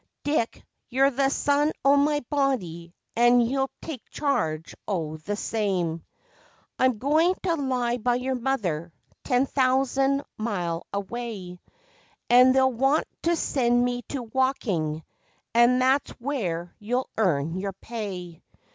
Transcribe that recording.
Dick, you're the son o' my body, and you'll take charge o' the same! I'm going to lie by your mother, ten thousand mile away, And they'll want to send me to Woking; and that's where you'll earn your pay.